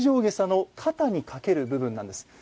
袈裟の肩にかける部分なんです。